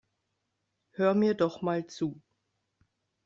Hör mir doch mal zu.